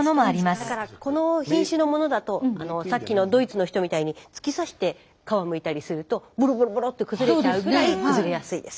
だからこの品種のものだとさっきのドイツの人みたいに突き刺して皮をむいたりするとボロボロボロって崩れちゃうぐらい崩れやすいです。